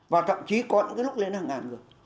và thậm chí có những cái lúc lên hàng ngàn người